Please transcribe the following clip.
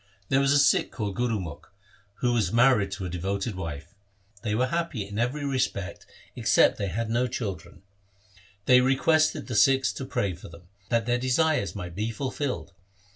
LIFE OF GURU HAR GOBIND 71 There was a Sikh called Gurumukh who was married to a devoted wife. They were happy in every respect except that they had no children. They requested the Sikhs to pray for them, that their desires might be fulfilled.